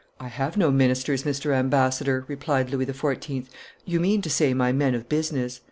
"I have no ministers, Mr. Ambassador," replied Louis XIV.; "you mean to say my men of business."